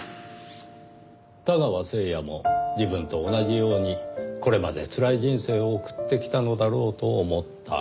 太川誠也も自分と同じようにこれまでつらい人生を送ってきたのだろうと思った。